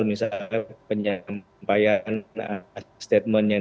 misalnya penyampaian statement yang